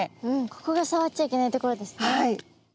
ここがさわっちゃいけないところですね。